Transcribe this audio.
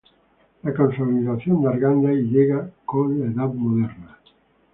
La consolidación de Arganda llega con la Edad Moderna.